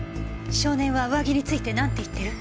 少年は上着についてなんて言ってる？